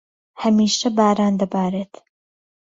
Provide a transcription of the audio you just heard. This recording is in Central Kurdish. هەمیشە باران دەبارێت.